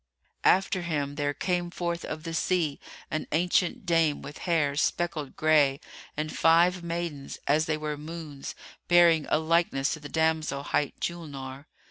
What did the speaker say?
After him there came forth of the sea an ancient dame with hair speckled gray and five maidens, as they were moons, bearing a likeness to the damsel hight Julnar.